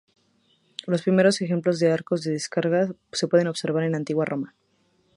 Los primeros ejemplos de arcos de descarga se pueden observar en la antigua Roma.